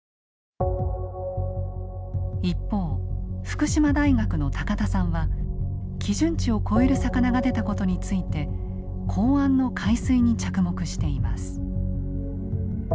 一方福島大学の高田さんは基準値を超える魚が出たことについて港湾の海水に着目しています。